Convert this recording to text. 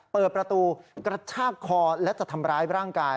เปิดประตูกระชากคอและจะทำร้ายร่างกาย